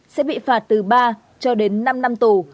sẽ bị phạt từ ba cho đến năm năm tù